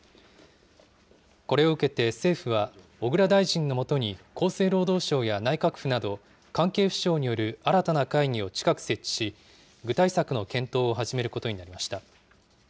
これを受けて、政府は小倉大臣の下に、厚生労働省や内閣府など、関係府省による新たな会議を近く設置し、具体策の検討を始めることになりました。